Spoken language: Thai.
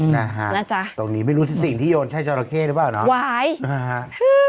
นะฮะตรงนี้ไม่รู้สิ่งที่โยนใช่จอระเข้หรือเปล่าหรือเปล่านะฮะวาย